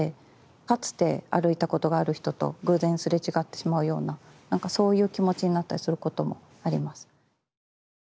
かつて歩いたことがある人と偶然すれ違ってしまうようななんかそういう気持ちになったりすることもあります。